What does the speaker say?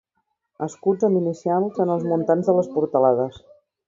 Escuts amb inicials en els muntants de les portalades.